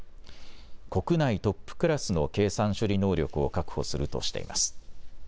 国内トップクラスの計算処理能力を確保するとしています。